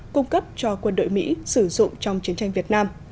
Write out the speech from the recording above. cung cấp cho quân đội mỹ sử dụng trong chiến tranh việt nam